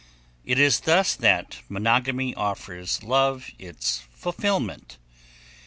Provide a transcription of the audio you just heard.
It is thus that monogamy offers love its fulfillment.